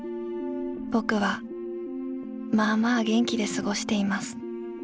ぼくはまあまあ元気で過しています。